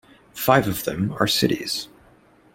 Five of them are cities.